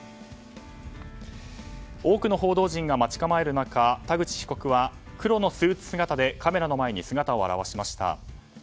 多くの報道陣が待ち構える中田口被告は黒のスーツ姿でカメラの前に姿を現しました。